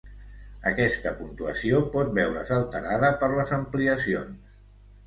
Aquesta puntuació pot veure's alterada per les ampliacions.